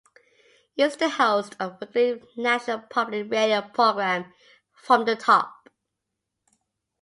He is the host of the weekly National Public Radio program "From the Top".